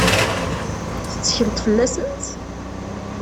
Tettekleḍ fell-asent?